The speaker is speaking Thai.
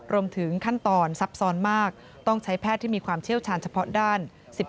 รวมถึงขั้นตอนซับซ้อนมากต้องใช้แพทย์ที่มีความเชี่ยวชาญเฉพาะด้าน๑๒